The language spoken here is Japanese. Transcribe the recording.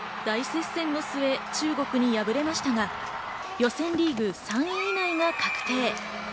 大接戦の末、中国に敗れましたが、予選リーグ３位以内が確定。